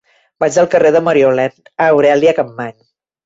Vaig al carrer de Maria Aurèlia Capmany.